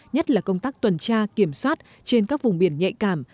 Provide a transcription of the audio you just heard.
nhất là công tác tuần tra kiểm soát trên các vùng biển nhạy cảm